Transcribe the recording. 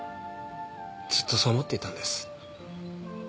ずっとそう思っていたんです。